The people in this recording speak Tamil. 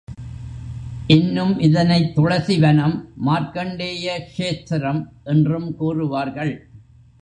இன்னும் இதனைத் துளசி வனம், மார்க்கண்டேய க்ஷேத்திரம் என்றும் கூறுவார்கள்.